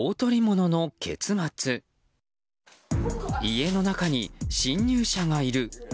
家の中に侵入者がいる。